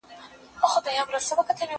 درسونه واوره؟!